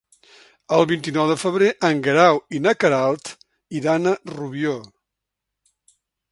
El vint-i-nou de febrer en Guerau i na Queralt iran a Rubió.